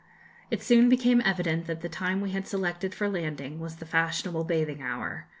It soon became evident that the time we had selected for landing was the fashionable bathing hour.